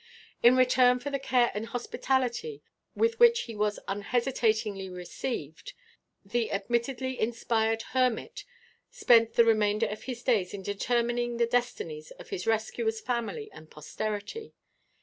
In return for the care and hospitality with which he was unhesitatingly received, the admittedly inspired hermit spent the remainder of his days in determining the destinies of his rescuer's family and posterity.